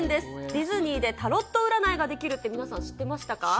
ディズニーでタロット占いができるって皆さん、知ってましたか？